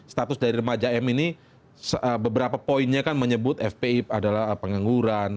status dari remaja m ini beberapa poinnya kan menyebut fpi adalah pengangguran